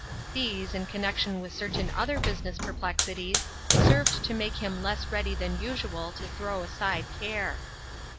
These, in connection with certain other business perplex ities, served to make him less ready than usual to throw aside care.